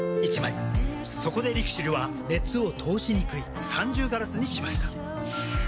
そこでＬＩＸＩＬは熱を通しにくい三重ガラスにしました。